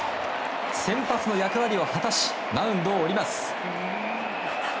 先発の役割を果たしマウンドを降ります。